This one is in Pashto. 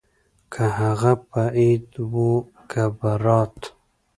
که هغه به عيد وو که ببرات.